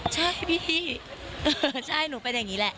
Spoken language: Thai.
ใช่พี่ใช่หนูเป็นอย่างนี้แหละ